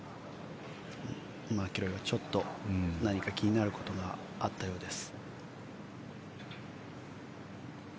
マキロイはちょっと何か気になることがあったようです。